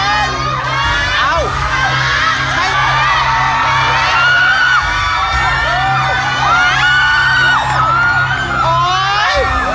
อย่าพูดก้าวใจเย็น